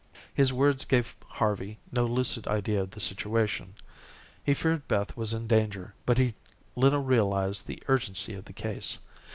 His words gave Harvey no lucid idea of the situation. He feared Beth was in danger, but he little realized the urgency of the case.